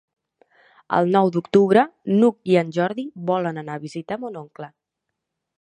El nou d'octubre n'Hug i en Jordi volen anar a visitar mon oncle.